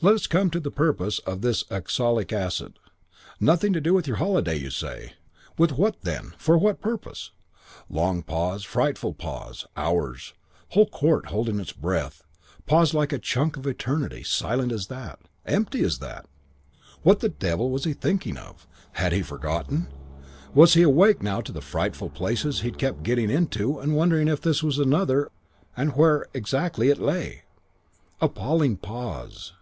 Let us come to the purpose of this oxalic acid purchase. Nothing to do with your holiday, you say. With what then? For what purpose?' "Long pause. Frightful pause. Hours. Whole court holding its breath. Pause like a chunk of eternity. Silent as that. Empty as that. What the devil was he thinking of? Had he forgotten? Was he awake now to the frightful places he kept getting into and wondering if this was another and where exactly it lay? Appalling pause.